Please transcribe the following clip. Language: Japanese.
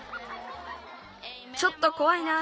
ちょっとこわいな。